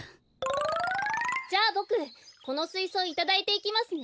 じゃあボクこのスイソウいただいていきますね。